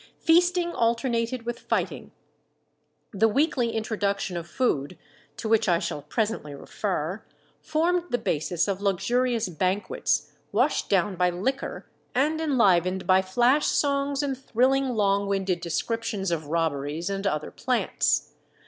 Feasting alternated with fighting. The weekly introduction of food, to which I shall presently refer, formed the basis of luxurious banquets, washed down by liquor and enlivened by flash songs and thrilling long winded descriptions of robberies and other "plants."